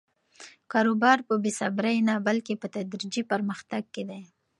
کاروبار په بې صبري نه، بلکې په تدریجي پرمختګ کې دی.